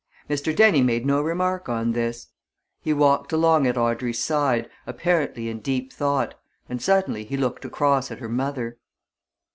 Mr. Dennie made no remark on this. He walked along at Audrey's side, apparently in deep thought, and suddenly he looked across at her mother.